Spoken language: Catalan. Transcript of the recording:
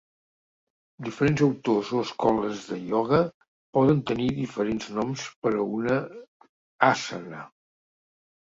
Diferents autors o escoles de ioga poden tenir diferents noms per a una àssana.